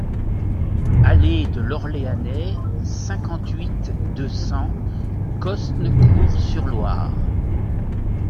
Allée de l'Orleanais, cinquante-huit, deux cents Cosne-Cours-sur-Loire